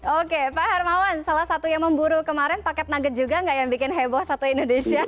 oke pak hermawan salah satu yang memburu kemarin paket nugget juga nggak yang bikin heboh satu indonesia